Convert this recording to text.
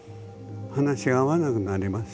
話が合わなくなりますよ。